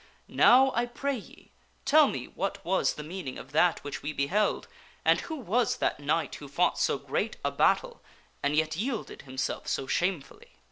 Now, I pray ye, tell me what was the meaning of that which we be held, and who was that knight who fought so great a battle and yet yielded himself so shamefully."